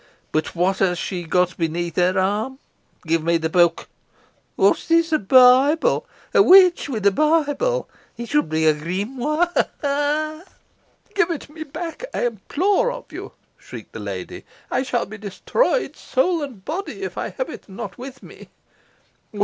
"But what has she got beneath her arm? Give me the book. What's this? a Bible! A witch with a Bible! It should be a grimoire. Ha! ha!" "Give it me back, I implore of you," shrieked the lady. "I shall be destroyed, soul and body, if I have it not with me."